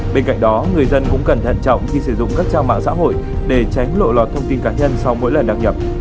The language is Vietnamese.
bên cạnh đó người dân cũng cần thận trọng khi sử dụng các trang mạng xã hội để tránh lộ lọt thông tin cá nhân sau mỗi lần đăng nhập